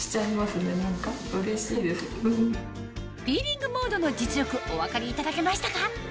ピーリングモードの実力お分かりいただけましたか？